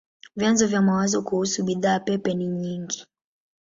Vyanzo vya mawazo kuhusu bidhaa pepe ni nyingi.